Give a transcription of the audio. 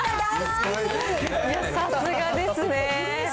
さすがですね。